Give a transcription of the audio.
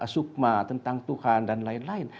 sukma tentang tuhan dan lain lain